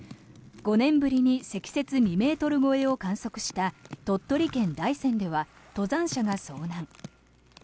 ５年ぶりに積雪２ｍ超えを観測した鳥取県・大山では登山者が遭難。